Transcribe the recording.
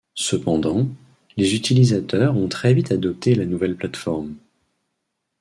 Cependant, les utilisateurs ont très vite adopté la nouvelle plateforme.